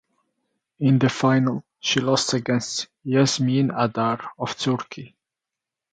In the final she lost against Yasemin Adar of Turkey.